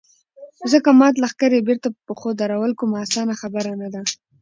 ځکه مات لښکر يې بېرته په پښو درول کومه اسانه خبره نه ده.